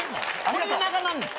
これで長なんねん。